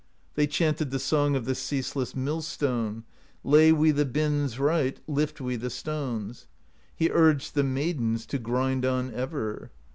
They chanted the song Of the ceaseless mill stone: ' Lay we the bins right, Lift we the stones!' He urged the maidens To grind on ever.